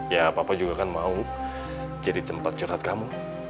ya papa juga kan mau jadi tempat curhat kamu